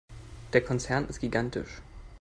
Der Konzern ist gigantisch.